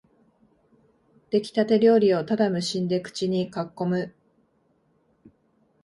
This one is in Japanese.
できたて料理をただ無心で口にかっこむ